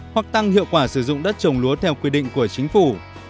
hoặc tăng hiệu quả sử dụng đất trồng lúa theo quy định của chính phủ